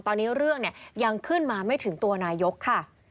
ตอนนี้เรื่องเนี่ยยังขึ้นมาไม่ถึงตัวนายกค่ะ